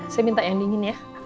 saya minta yang dingin ya